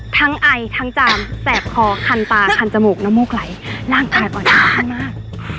ไอทั้งจามแสบคอคันตาคันจมูกน้ำมูกไหลร่างกายอ่อนค่ามาก